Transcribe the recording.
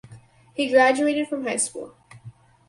He graduated from high school.